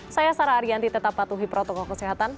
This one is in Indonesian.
saya sarah ariyanti tetap patuhi protokol kesehatan